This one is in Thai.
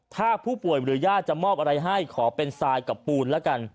ถ้าผู้ป่วยหรือญาติจะมอบอะไรให้ขอเป็นทรายกับปูนแล้วกัน